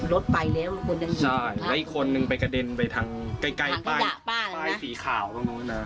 รถไปแล้วคุณได้ยินเหรอคะใช่แล้วอีกคนนึงไปกระเด็นไปทางไกลไปสีขาวตรงโน้นนะ